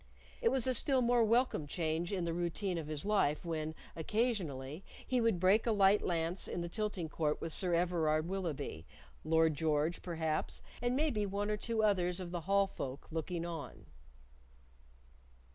It was a still more welcome change in the routine of his life when, occasionally, he would break a light lance in the tilting court with Sir Everard Willoughby; Lord George, perhaps, and maybe one or two others of the Hall folk, looking on.